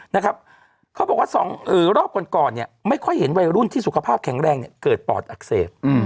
นะครับเขาบอกว่าสองรอบก่อนก่อนเนี่ยไม่ค่อยเห็นวัยรุ่นที่สุขภาพแข็งแรงเนี่ยเกิดปอดอักเสบ